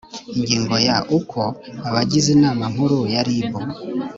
ingingo ya uko abagize inama nkuru ya rib